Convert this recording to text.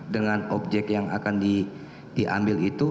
dengan objek yang akan diambil itu